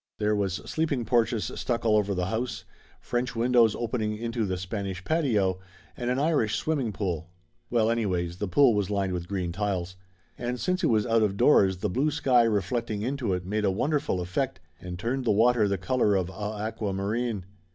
There was sleeping porches stuck all over the house, French windows opening into the Spanish patio, and an Irish swimming pool. Well anyways, the pool was lined with green tiles. And since it was out of doors the blue sky reflecting into it made a wonderful effect, and turned the water the color of a aquamarine.